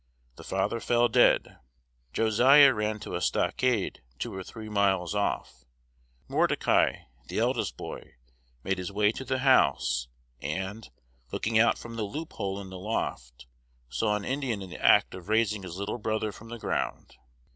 The father fell dead; Josiah ran to a stockade two or three miles off; Mordecai, the eldest boy, made his way to the house, and, looking out from the loophole in the loft, saw an Indian in the act of raising his little brother from the ground.